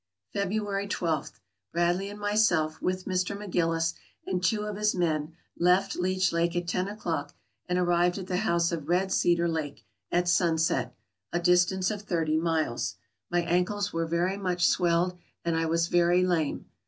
February 12. — Bradley and myself with Mr. McGillis and two of his men left Leech Lake at ten o'clock, and arrived at the house of Red Cedar Lake at sunset, a dis AMERICA 147 tance of thirty miles. My ankles were very much swelled, and I was very lame.